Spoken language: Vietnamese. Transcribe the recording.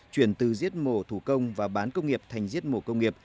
chuyển từ giết mổ thủ công và bán công nghiệp thành giết mổ công nghiệp